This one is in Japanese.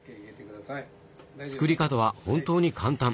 作り方は本当に簡単。